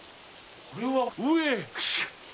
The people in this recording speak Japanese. これは上。